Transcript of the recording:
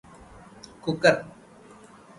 cooker